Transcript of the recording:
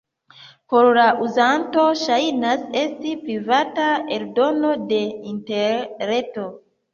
Por la uzanto ŝajnas esti privata eldono de interreto.